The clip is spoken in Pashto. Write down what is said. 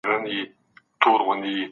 خصوصي سکتور د دولت لخوا پرمخ نه وړل کیږي.